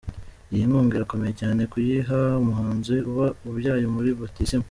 Iyi nkunga irakomeye cyane, kuyiha umuhanzi uba umubyaye muri Batisimu.